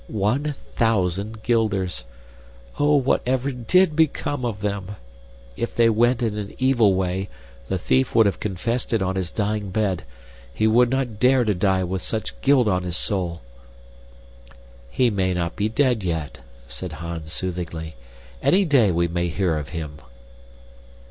One thousand guilders. Oh, what ever DID become of them? If they went in an evil way, the thief would have confessed it on his dying bed. He would not dare to die with such guilt on his soul!" "He may not be dead yet," said Hans soothingly. "Any day we may hear of him."